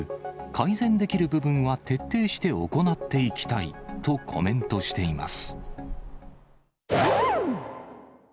改善できる部分は徹底して行っていきたいとコメントしています。